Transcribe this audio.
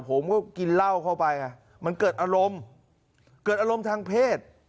ผมก็กินเหล้าเข้าไปไงมันเกิดอารมณ์เกิดอารมณ์ทางเพศ